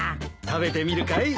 食べてみるかい？